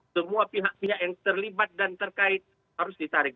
semua pihak pihak yang terlibat dan terkait harus ditarik